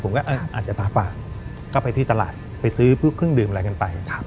อาจจะตาปากก็ไปที่ตลาดไปซื้อพวกเครื่องดื่มอะไรกันไป